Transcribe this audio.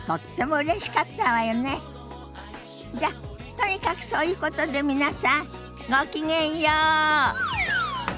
じゃとにかくそういうことで皆さんごきげんよう。